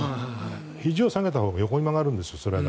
ひじを下げたほうが横に曲がるんですよ。